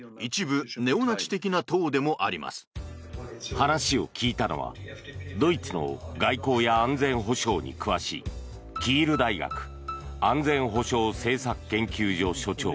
話を聞いたのはドイツの外交や安全保障に詳しいキール大学安全保障政策研究所所長